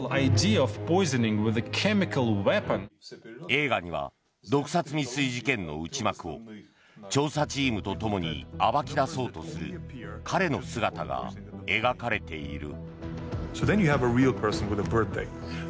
映画には毒殺未遂事件の内幕を調査チームと共に暴きだそうとする彼の姿が描かれている。